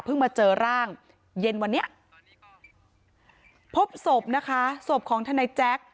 มาเจอร่างเย็นวันนี้พบศพนะคะศพของทนายแจ๊ค